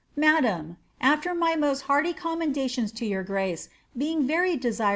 "Madam, After my mo9t hearty commendations to your grace, being rery desJTOOt W 'Sir F.